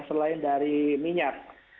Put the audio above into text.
selain dari minyak